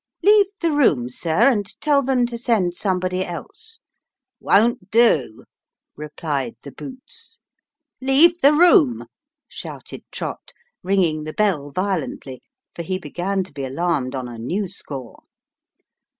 " Leave the room, sir, and tell them to send somebody else." " Won't do !" replied the boots. " Leave the room !" shouted Trott, ringing the bell violently : for he began to be alarmed on a new score.